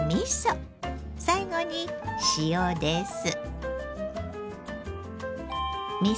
最後に塩です。